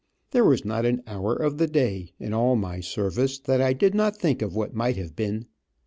There was not an hour of the day, in all of my service, that I did not think of what might have been.